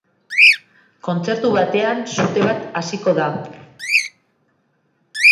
Kontzertu batean, sute bat hasiko da.